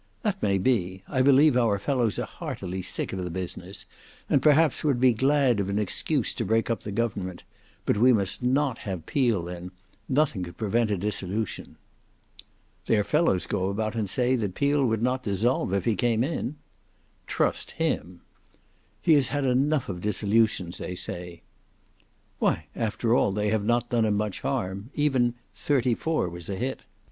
"That may be; I believe our fellows are heartily sick of the business, and perhaps would be glad of an excuse to break up the government: but we must not have Peel in; nothing could prevent a dissolution." "Their fellows go about and say that Peel would not dissolve if he came in." "Trust him!" "He has had enough of dissolutions they say." "Why, after all they have not done him much harm. Even —34 was a hit."